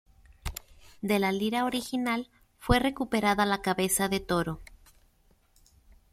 De la lira original fue recuperada la cabeza de toro.